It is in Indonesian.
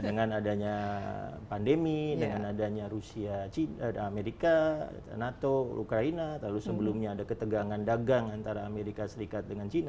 dengan adanya pandemi dengan adanya rusia amerika nato ukraina lalu sebelumnya ada ketegangan dagang antara amerika serikat dengan cina